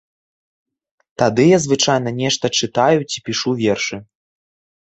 Тады я звычайна нешта чытаю ці пішу вершы.